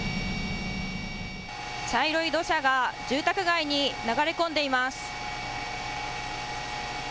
茶色い土砂が住宅街に流れ込んでいます。